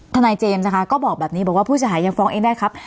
ทนายเจมส์นะคะก็บอกแบบนี้บอกว่าผู้เสียหายยังฟ้องเองได้ครับ